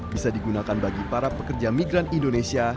bisa digunakan bagi para pekerja migran indonesia